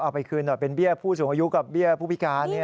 เอาไปคืนหน่อยเป็นเบี้ยผู้สูงอายุกับเบี้ยผู้พิการ